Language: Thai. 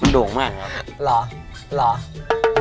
มันโด่งมากครับ